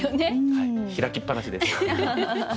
はい開きっぱなしです。